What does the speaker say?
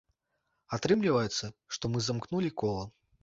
Атрымліваецца, што мы замкнулі кола.